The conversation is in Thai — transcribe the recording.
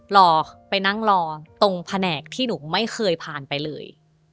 รอไปนั่งรอตรงแผนกที่หนูไม่เคยผ่านไปเลย